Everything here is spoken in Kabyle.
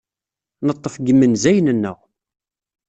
Neḍḍef deg yimenzayen-nneɣ.